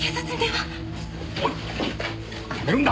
おいやめるんだ！